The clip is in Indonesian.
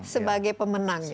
keluar sebagai pemenang ya